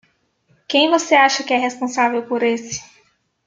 Quem você acha que é responsável por esse?